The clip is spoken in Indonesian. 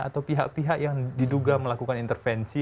atau pihak pihak yang diduga melakukan intervensi